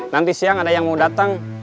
nanti siang ada yang mau datang